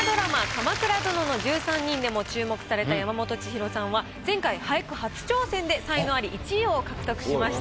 「鎌倉殿の１３人」でも注目された山本千尋さんは前回俳句初挑戦で才能アリ１位を獲得しました。